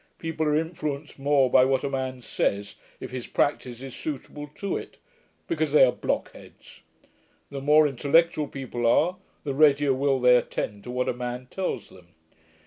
People are influenced more by what a man says, if his practice is suitable to it, because they are blockheads. The more intellectual people are, the readier will they attend to what a man tells them.